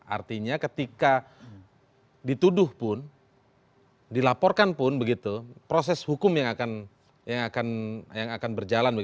artinya ketika dituduh pun dilaporkan pun begitu proses hukum yang akan berjalan